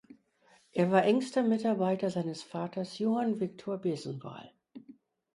Er war engster Mitarbeiter seines Vaters Johann Viktor Besenval.